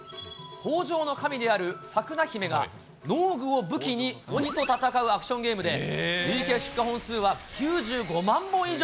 豊穣の神であるサクナヒメが農具を武器に鬼と戦うアクションゲームで、累計出荷本数は９５万本以上。